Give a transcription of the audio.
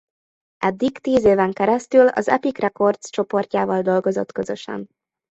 Eddig tíz éven keresztül az Epic Records csoportjával dolgozott közösen.